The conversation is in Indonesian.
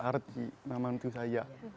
arti mama itu saja